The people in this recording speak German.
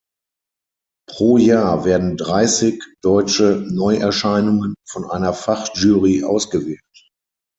Pro Jahr werden dreißig deutsche Neuerscheinungen von einer Fachjury ausgewählt.